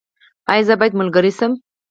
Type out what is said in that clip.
ایا زه باید ملګری شم؟